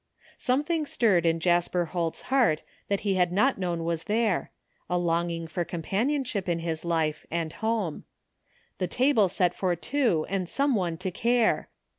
Something stirred in Jasper Holt's heart that he had not known was there, a longing for companion ship in his life and home; the table set for two and someone to care!